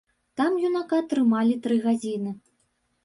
Там юнака трымалі тры гадзіны.